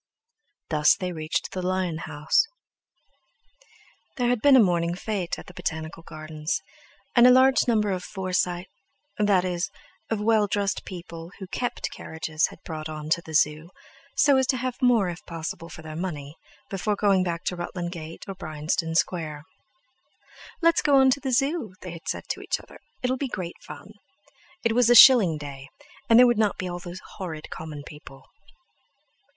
Thus they reached the lion house. There had been a morning fête at the Botanical Gardens, and a large number of Forsy—that is, of well dressed people who kept carriages had brought them on to the Zoo, so as to have more, if possible, for their money, before going back to Rutland Gate or Bryanston Square. "Let's go on to the Zoo," they had said to each other; "it'll be great fun!" It was a shilling day; and there would not be all those horrid common people.